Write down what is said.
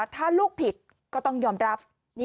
ถ้าลูกผิดก็ต้องยอมรับ